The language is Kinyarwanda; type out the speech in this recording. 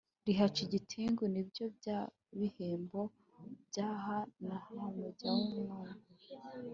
rihaca igitengu : ni byo bya bihembo by’ aha n’aha mujya mwumva!”